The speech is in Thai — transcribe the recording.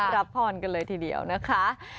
รับพรกันเลยทีเดียวนะคะ